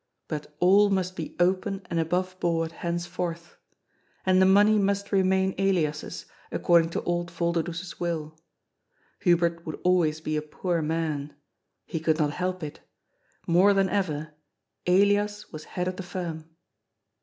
But all must be open and above board henceforth. And the money must remain Elias's, according to old Volderdoes's will. Hubert would always be a poor man. He could not help it. More than ever, Elias was head of the firm.